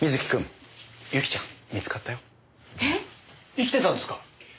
生きてたんですか？